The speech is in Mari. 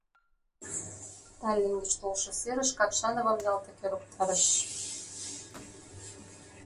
Таллинн гыч толшо серыш Какшановым ялтак ӧрыктарыш.